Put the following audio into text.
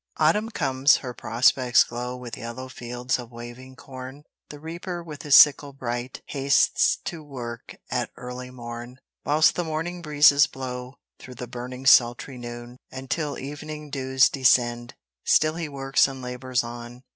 Autumn comes, her prospects glow With yellow fields of waving corn; The reaper with his sickle bright, Hastes to work at early morn. Whilst the morning breezes blow, Through the burning sultry noon, And till evening dews descend, Still he works and labours on.